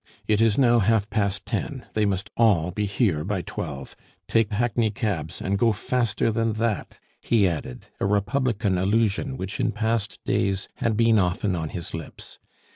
It is now half past ten; they must all be here by twelve. Take hackney cabs and go faster than that!" he added, a republican allusion which in past days had been often on his lips.